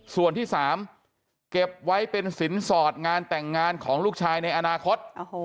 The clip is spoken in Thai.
ส่วนที่๓เก็บไว้เป็นสินสอดงานแต่งงานของลูกชายในอนาคต